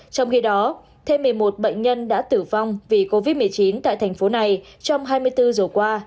trong khi đó thêm một mươi một bệnh nhân đã tử vong vì covid một mươi chín tại thành phố này trong hai mươi bốn giờ qua